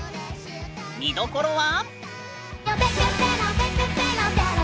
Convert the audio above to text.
見どころは。